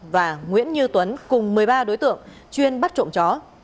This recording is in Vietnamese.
và nguyễn như tuấn cùng một mươi ba đối tượng chuyên bắt trộm chó